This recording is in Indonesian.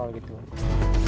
tidak dapat mengontrol gitu